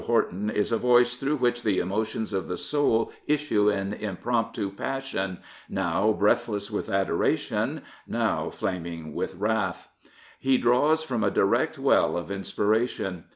Horton is a voice through which the emotions of the soul issue in impromptu passion, now " breathless with adoration," now flaming with wrath. He draws from a direct well of inspiration.